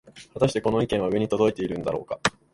はたしてこの意見は上に届いているんだろうか